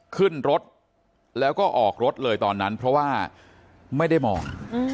ขึ้นรถแล้วก็ออกรถเลยตอนนั้นเพราะว่าไม่ได้มอง